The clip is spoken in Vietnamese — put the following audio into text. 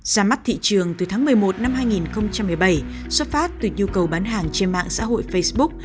giá mắt thị trường từ tháng một mươi một năm hai nghìn một mươi bảy xuất phát từ nhu cầu bán hàng trên mạng xã hội facebook